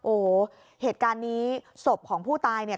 โอ้โหเหตุการณ์นี้ศพของผู้ตายเนี่ย